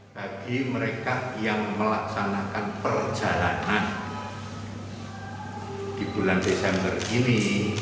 bagi mereka yang melaksanakan perjalanan di bulan desember ini